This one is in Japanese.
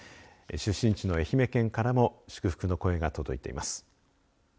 出身地の愛媛県からも祝福の声が届いています。